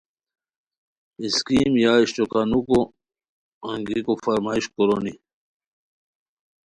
اسکیم یا اشٹوکانوکو انگیکو فرمائش کورونی